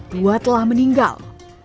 dua telah meninggal